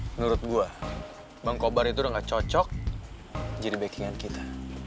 menurut gue bang kobar itu udah gak cocok jadi backing an kita